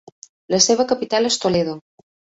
La seva capital és Toledo.